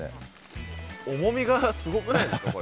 重みがすごくないですかこれ。